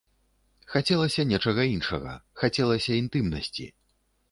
Хацелася нечага іншага, хацелася інтымнасці.